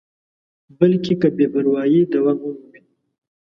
بلکې که بې پروایي دوام ومومي.